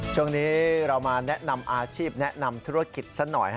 ช่วงนี้เรามาแนะนำอาชีพแนะนำธุรกิจสักหน่อย